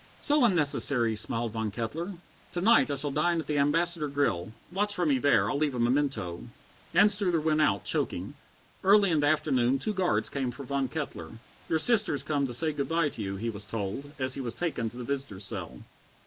"So unnecessary," smiled Von Kettler. "To night I shall dine at the Ambassador grill. Watch for me there. I'll leave a memento." Anstruther went out, choking. Early in the afternoon two guards came for Von Kettler. "Your sister's come to say good by to you," he was told, as he was taken to the visitors' cell.